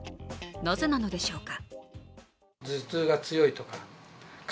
なぜなのでしょうか。